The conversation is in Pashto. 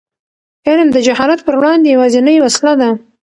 علم د جهالت پر وړاندې یوازینۍ وسله ده.